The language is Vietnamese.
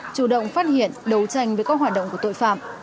chủ động phát hiện đấu tranh với các hoạt động của tội phạm